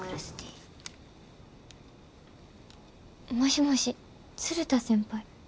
もしもし鶴田先輩？